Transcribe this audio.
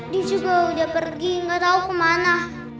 dia juga udah pergi nggak tahu kemana